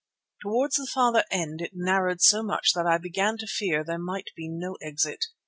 Towards the farther end it narrowed so much that I began to fear there might be no exit.